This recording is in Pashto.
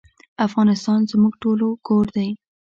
افغانستان زموږ ټولو کور دی